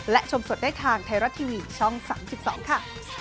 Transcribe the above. และชมสดได้ทางไทยรัฐทีวีช่อง๓๒ค่ะ